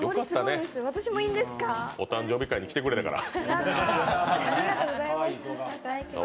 お誕生日会に来てくれたから。